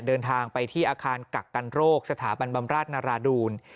เดินทางไปที่อาคารกักกันโรคสถาบันบำราชนาราดูล